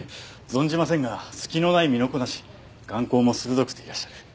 存じませんが隙のない身のこなし眼光も鋭くていらっしゃる。